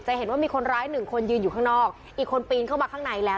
เห็นว่ามีคนร้ายหนึ่งคนยืนอยู่ข้างนอกอีกคนปีนเข้ามาข้างในแล้ว